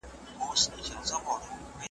زه هره ورځ کښېناستل کوم!!